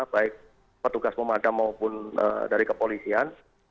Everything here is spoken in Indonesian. baik petugas pemadam maupun dari kepolisian